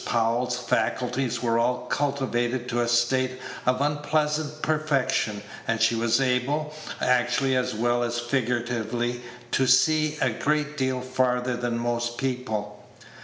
Powell's faculties were all cultivated to a state of unpleasant perfection, and she was able, actually as well as figuratively, to see a great deal farther than most people.